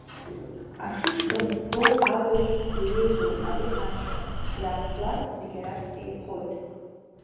Ашышкамс злоу абажә иаҩызоуп ари ашьха, иаахәлар, зегь арахь еихоит.